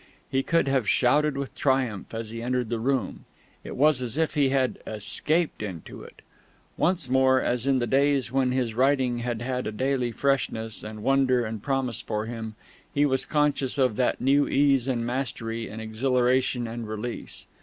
He could have shouted with triumph as he entered the room; it was as if he had escaped into it. Once more, as in the days when his writing had had a daily freshness and wonder and promise for him, he was conscious of that new ease and mastery and exhilaration and release.